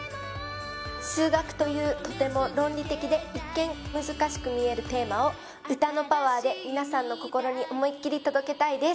数学というとても論理的で一見難しく見えるテーマを歌のパワーで皆さんの心に思いっきり届けたいです